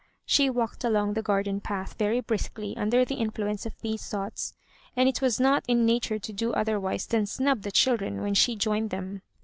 She walked along the garden path very briskly under the influence of these thoughts, and it was not in nature to do otherwise than snub the children when she joined them.